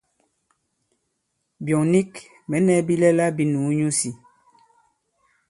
Byɔ̂ŋ nik mɛ̌ nɛ̄ bilɛla bī nùu nyu isī.